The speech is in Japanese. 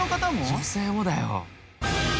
女性もだよ。